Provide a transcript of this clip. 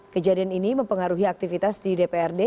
kejadian ini mempengaruhi aktivitas di dprd